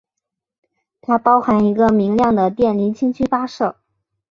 它包含一个明亮的电离氢区发射。